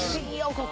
ここ。